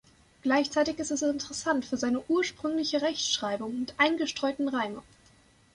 Gleichzeitig ist es interessant für seine ursprüngliche Rechtschreibung und eingestreuten Reime.